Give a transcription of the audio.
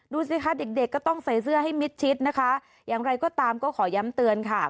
ดูสิคะเด็กเด็กก็ต้องใส่เสื้อให้มิดชิดนะคะอย่างไรก็ตามก็ขอย้ำเตือนค่ะ